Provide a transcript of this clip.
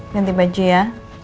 ganti baju ya